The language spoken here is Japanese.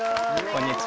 こんにちは。